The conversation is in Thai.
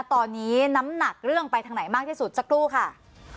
ตอนนี้น้ำหนักเรื่องไปทางไหนมากที่สุดสักครู่ค่ะ